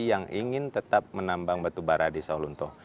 yang ingin tetap menambang batubara di sawah lunto